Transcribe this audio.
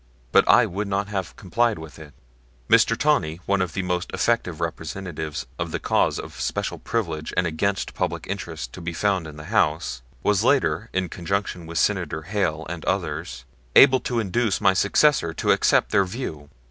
But I would not have complied with it. Mr. Tawney, one of the most efficient representatives of the cause of special privilege as against public interest to be found in the House, was later, in conjunction with Senator Hale and others, able to induce my successor to accept their view.